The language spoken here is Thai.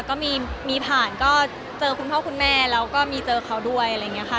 ก็มีผ่านก็เจอคุณพ่อคุณแม่แล้วก็มีเจอเขาด้วยอะไรอย่างนี้ค่ะ